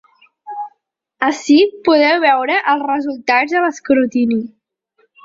Ací podeu veure els resultats de l’escrutini.